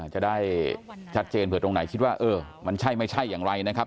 จะได้ชัดเจนเผื่อตรงไหนคิดว่าเออมันใช่ไม่ใช่อย่างไรนะครับ